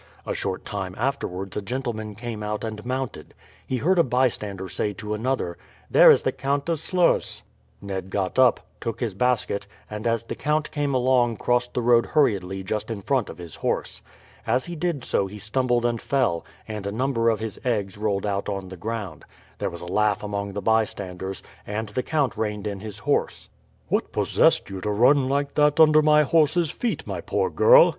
A short time afterwards a gentleman came out and mounted. He heard a bystander say to another, "There is the Count of Sluys." Ned got up, took his basket, and as the count came along crossed the road hurriedly just in front of his horse. As he did so he stumbled and fell, and a number of his eggs rolled out on the ground. There was a laugh among the bystanders, and the count reigned in his horse. "What possessed you to run like that under my horse's feet, my poor girl?"